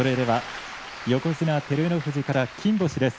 横綱照ノ富士から金星です。